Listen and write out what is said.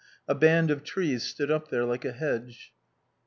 A band of trees stood up there like a hedge.